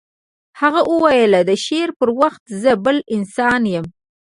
هغه وویل د شعر پر وخت زه بل انسان یم